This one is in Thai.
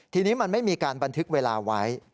ทีนี้มันไม่มีการบันทึกเวลาไว้